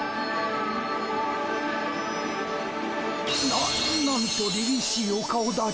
ななんとりりしいお顔だち。